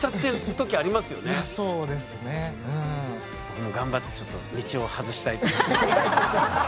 僕も頑張ってちょっと道を外したいと思います。